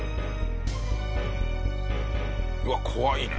うわっ怖いね。